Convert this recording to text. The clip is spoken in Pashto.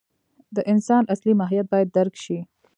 د انسان اصلي ماهیت باید درک شي.